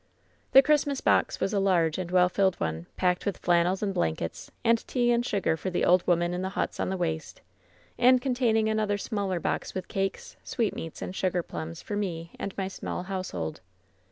"The Christmas box was a large and well filled one, packed with flannels and blankets, and tea and sugar for the old women in the huts on the waste, and containing another smaller box with cakes, sweetmeats and sugar plums for me and my small household.